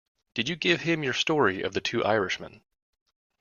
Did you give him your story of the two Irishmen?